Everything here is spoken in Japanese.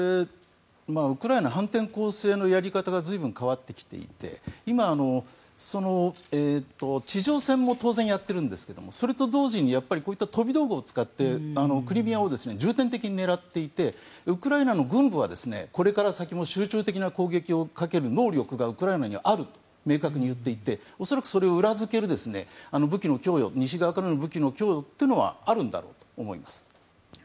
ウクライナは反転攻勢のやり方が随分変わってきていて今、地上戦も当然やっているんですけどもそれと同時にこういった飛び道具を使ってクリミアを重点的に狙っていてウクライナの軍部はこれから先も集中的な攻撃をかける能力がウクライナにはあると明確に言っていて恐らくそれを裏付ける西側からの武器の供与というのはあるんだろうと思います。